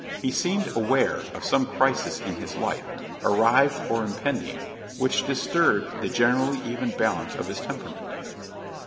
He seemed aware of some crisis in his life, arrived or impending, which disturbed the generally even balance of his temperament.